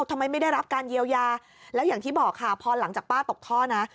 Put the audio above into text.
ไม่ได้รับการเยียวยาแล้วอย่างที่บอกค่ะพอหลังจากป้าตกท่อนะ